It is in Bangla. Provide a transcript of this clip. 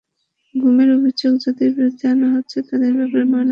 গুমের অভিযোগ যাদের বিরুদ্ধে আনা হচ্ছে, তাদের ব্যাপারে তদন্ত চালাতে হবে।